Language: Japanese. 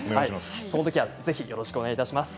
そのときは、ぜひお願いします。